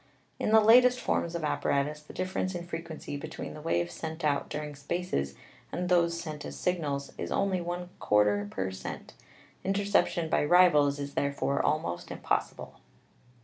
In the latest forms of apparatus the differ ence in frequency between the waves sent out during" spaces and those sent as signals is only *4 P er cent.; interception by rivals is, therefore, almost impossible.